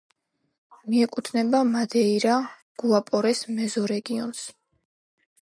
მიეკუთვნება მადეირა-გუაპორეს მეზორეგიონს.